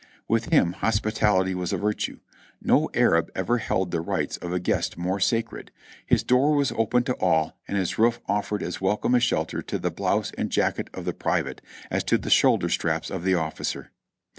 With him hospitality was a virtue ; no Arab ever held the rights of a guest more sacred, his door was open to all and his roof of fered as welcome a shelter to the blouse and jacket of the private as to the shoulder straps of the officer.